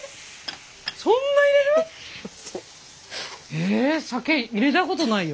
ええっ酒入れたことないよ。